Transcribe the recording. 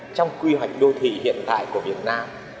trong quy hoạch đô thị hiện tại của việt nam